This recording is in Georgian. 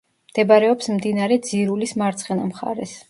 მდებარეობს მდინარე ძირულის მარცხენა მხარეს.